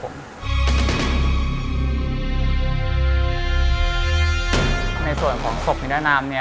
ในส่วนของสบนิดหนาม